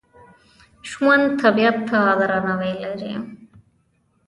ژوندي طبیعت ته درناوی لري